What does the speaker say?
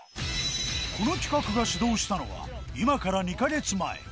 この企画が始動したのは、今から２か月前。